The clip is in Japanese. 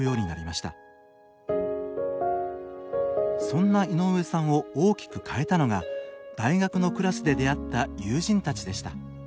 そんな井上さんを大きく変えたのが大学のクラスで出会った友人たちでした。